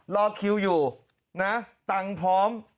รอคิวอยู่นะตังค์พร้อม